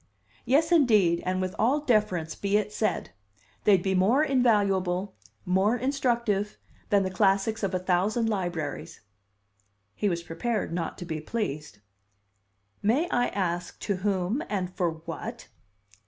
"Yes, indeed and with all deference be it said! They'd be more invaluable, more instructive, than the classics of a thousand libraries." He was prepared not to be pleased. "May I ask to whom and for what?"